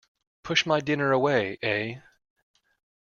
Push my dinner away, eh?